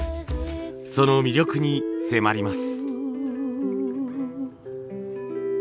その魅力に迫ります。